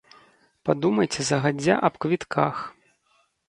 Падумайце загадзя аб квітках.